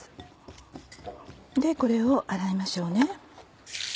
これを洗いましょう。